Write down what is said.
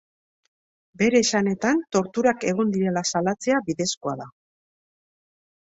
Bere esanetan, torturak egon direla salatzea bidezkoa da.